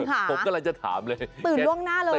ผมกำลังจะถามเลยตื่นล่วงหน้าเลย